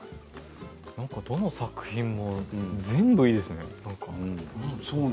どの作品も全部いいですね。